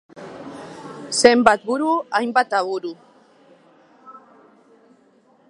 Zenbat buru, hainbat aburu!